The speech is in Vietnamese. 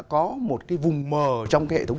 có một cái vùng mờ trong cái hệ thống